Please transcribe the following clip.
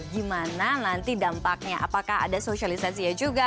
gimana nanti dampaknya apakah ada sosialisasi ya juga